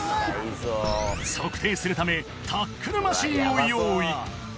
測定するためタックルマシンを用意